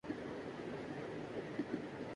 کوفہ میں Muslim bin Aqil سے لوگ بیعت کر